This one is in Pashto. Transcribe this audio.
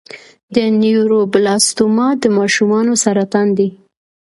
د نیوروبلاسټوما د ماشومانو سرطان دی.